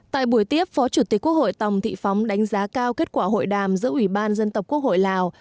tại buổi tiếp phó chủ tịch quốc hội tòng thị phóng đánh giá cao kết quả hội đàm giữa ủy ban dân tộc quốc hội lào